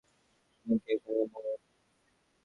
আর এই জীবনের সেরা দিক হলো তোমাকে এখানে না রাখা।